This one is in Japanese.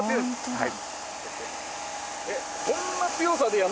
はい。